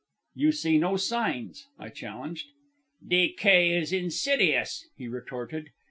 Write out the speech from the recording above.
"You see no signs," I challenged. "Decay is insidious," he retorted.